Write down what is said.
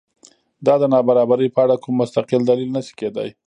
دا د نابرابرۍ په اړه کوم مستقل دلیل نه شي کېدای.